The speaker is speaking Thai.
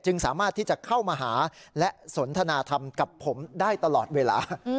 สามารถที่จะเข้ามาหาและสนทนาธรรมกับผมได้ตลอดเวลา